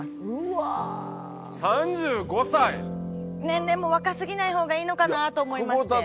年齢も若すぎない方がいいのかなと思いまして。